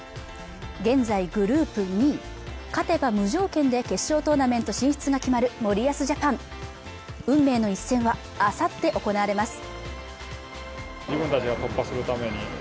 現在グループ２位勝てば無条件で決勝トーナメント進出が決まる森保ジャパン運命の一戦はあさって行われます